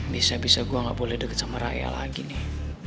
bisa bisa gue gak boleh deket sama raya lagi nih